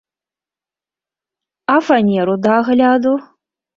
А фанеру да агляду?